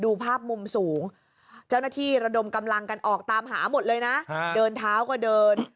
ดูภาพมุมสูงเจ้าหน้าที่ระดมกำลังกันออกตามหาหมดเลยนะเดินเท้าก็เดิน